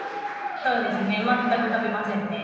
そうですね全く食べませんね。